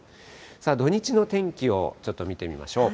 土日の天気をちょっと見てみましょう。